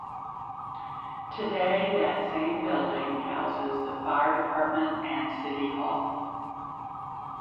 Today, that same building houses the Fire Department and City Hall.